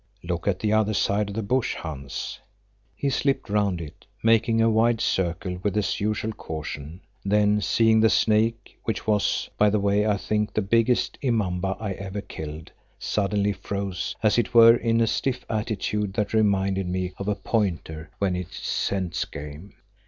"Look the other side of the bush, Hans." He slipped round it, making a wide circle with his usual caution, then, seeing the snake which was, by the way, I think, the biggest immamba I ever killed, suddenly froze, as it were, in a stiff attitude that reminded me of a pointer when it scents game.